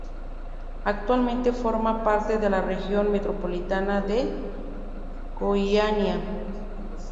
Actualmente forma parte de la región metropolitana de Goiânia.